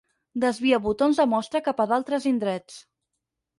Desvia botons de mostra cap a d'altres indrets.